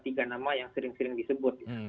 tiga nama yang sering sering disebut